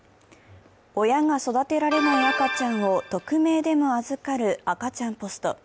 親が育てられない赤ちゃんを匿名でも預かる赤ちゃんポスト。